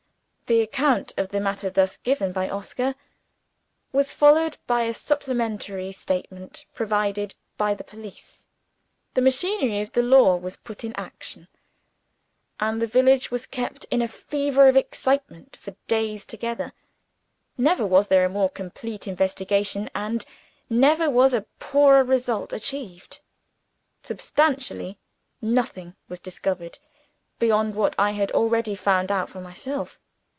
The account of the matter thus given by Oscar, was followed by a supplementary statement provided by the police. The machinery of the law was put in action; and the village was kept in a fever of excitement for days together. Never was there a more complete investigation and never was a poorer result achieved. Substantially, nothing was discovered beyond what I had already found out for myself.